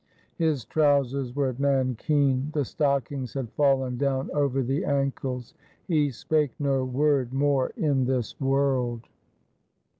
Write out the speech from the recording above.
His trousers were nankeen; the stockings had fallen down over the ankles. He spake no word more in this world.